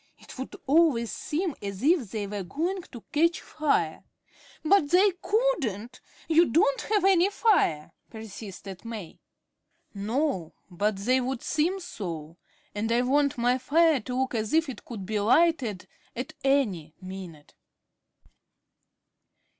It would always seem as if they were going to catch fire." "But they couldn't. You don't have any fire," persisted May. "No, but they would seem so. And I want my fire to look as if it could be lighted at any minute."